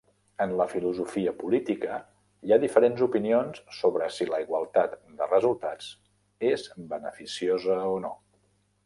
En la filosofia política, hi ha diferents opinions sobre si la igualtat de resultats és beneficiosa o no.